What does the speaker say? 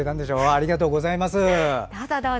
ありがとうございます。